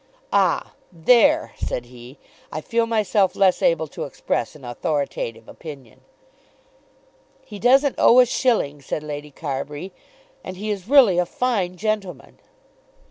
"Ah, there," said he, "I feel myself less able to express an authoritative opinion." "He doesn't owe a shilling," said Lady Carbury, "and he is really a fine gentleman."